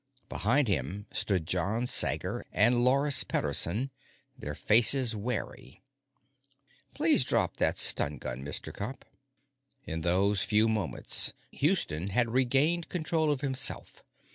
Behind him stood John Sager and Loris Pederson, their faces wary. "Please drop that stun gun, Mr. Cop." In those few moments, Houston had regained control of himself.